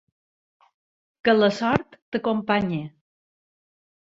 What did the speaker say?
Que la sort t'acompanyi!